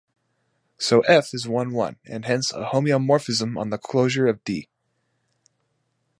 So "f" is one-one and hence a homeomorphism on the closure of "D".